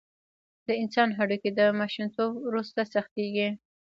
د انسان هډوکي د ماشومتوب وروسته سختېږي.